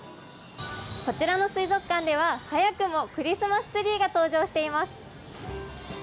こちらの水族館では、早くもクリスマスツリーが登場しています。